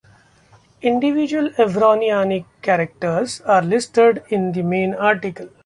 Individual Evroniani characters are listed in the main article.